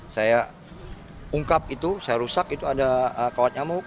saya ungkap itu saya rusak itu ada kawat nyamuk